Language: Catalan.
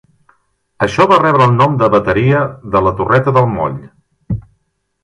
Això va rebre el nom de Bateria de la torreta del moll.